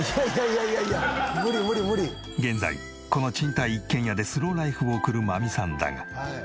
現在この賃貸一軒家でスローライフを送る真実さんだが。